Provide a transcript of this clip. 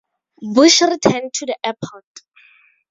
Bush returned to the airport.